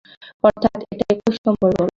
অর্থাৎ এটা একুশ নম্বর গল্প।